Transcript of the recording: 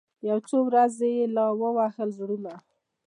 یو څو ورځي یې لا ووهل زورونه